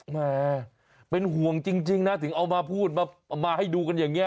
แม่เป็นห่วงจริงนะถึงเอามาพูดมาให้ดูกันอย่างนี้